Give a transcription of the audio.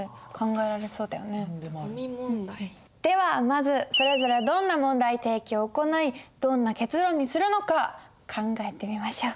ではまずそれぞれどんな問題提起を行いどんな結論にするのか考えてみましょう！